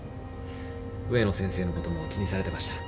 植野先生のことも気にされてました。